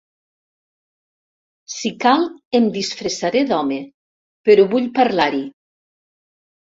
Si cal em disfressaré d'home, però vull parlar-hi.